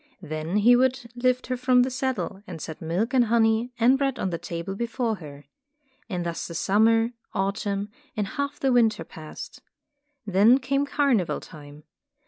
Then he would lift her from the saddle, and set milk and honey and bread on the table before her. And thus the summer, autumn, and half the winter passed. Then came carnival time.